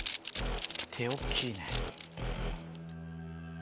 手大っきいね。